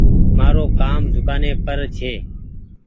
مآرو ڪآم دڪآن ني پر ڇي